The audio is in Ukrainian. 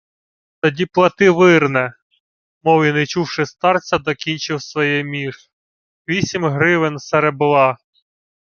—...тоді плати вирне, — мов і не чувши старця, докінчив своє між. — Вісім гривен серебла.